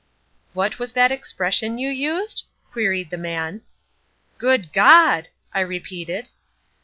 "What was that expression you used?" queried the man. "Good God!" I repeated.